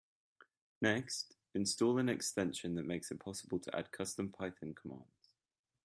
Next, install an extension that makes it possible to add custom Python commands.